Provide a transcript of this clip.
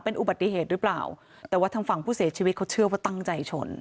อุบัติเหตุหรือเปล่าแต่ว่าทางฝั่งผู้เสียชีวิตเขาเชื่อว่าตั้งใจชน